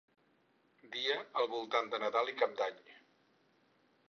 Dia al voltant de Nadal i Cap d'Any.